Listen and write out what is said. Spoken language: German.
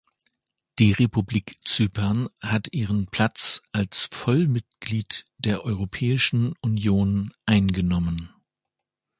Die Republik Zypern hat ihren Platz als Vollmitglied der Europäischen Union eingenommen.